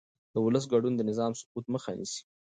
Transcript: د ولس ګډون د نظام سقوط مخه نیسي